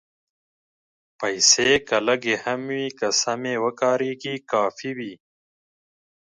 پېسې که لږې هم وي، که سمې وکارېږي، کافي وي.